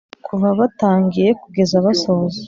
kuva batangiye kugeza basoza